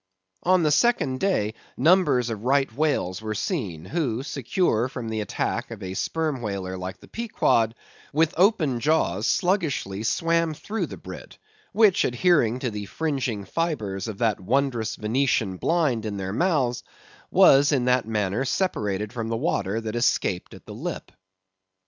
On the second day, numbers of Right Whales were seen, who, secure from the attack of a Sperm Whaler like the Pequod, with open jaws sluggishly swam through the brit, which, adhering to the fringing fibres of that wondrous Venetian blind in their mouths, was in that manner separated from the water that escaped at the lip.